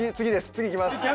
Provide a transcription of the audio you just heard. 次いきます。